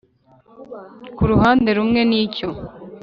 ku ruhande rumwe nicyo